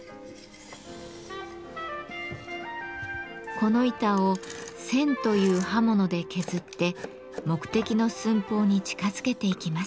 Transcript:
この板を「銑」という刃物で削って目的の寸法に近づけていきます。